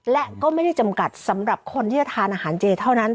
และก็ไม่ได้จำกัดสำหรับคนที่จะทานอาหารเจเท่านั้น